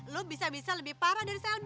lu bisa bisa lebih parah dari shelby